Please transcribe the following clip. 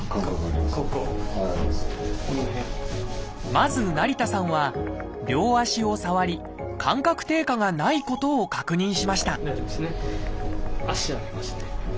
まず成田さんは両足を触り感覚低下がないことを確認しました